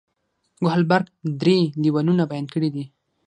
کوهلبرګ درې لیولونه بیان کړي دي.